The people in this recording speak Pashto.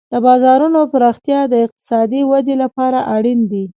د بازارونو پراختیا د اقتصادي ودې لپاره اړین دی.